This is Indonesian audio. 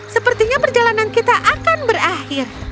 sepertinya perjalanan kita akan berakhir